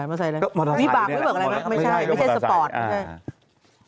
วิบัตรไม่ใช่บอเตอร์ไซน์